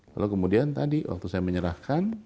lalu kemudian tadi waktu saya menyerahkan